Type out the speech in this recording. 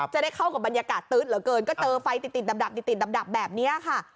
จะได้เข้ากับบรรยากาศตื๊ดเหลือเกินก็เจอไฟติดดับติดดับแบบนี้ค่ะ